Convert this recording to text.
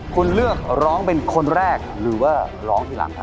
คุณเลือกร้องเป็นคนแรกหรือว่าร้องทีหลังครับ